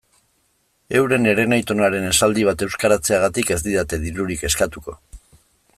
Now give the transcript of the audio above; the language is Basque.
Euren herenaitonaren esaldi bat euskaratzeagatik ez didate dirurik eskatuko.